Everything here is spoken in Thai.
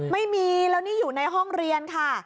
ไม่มีแล้วนี่อยู่ในห้องเรียนค่ะ